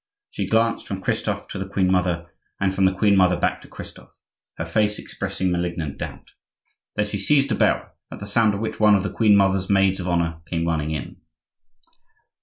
She glanced from Christophe to the queen mother and from the queen mother back to Christophe,—her face expressing malignant doubt. Then she seized a bell, at the sound of which one of the queen mother's maids of honor came running in.